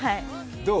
どう？